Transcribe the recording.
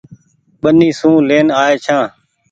ٻني سون لين آئي ڇآن ۔